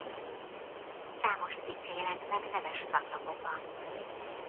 Számos cikke jelent meg neves szaklapokban.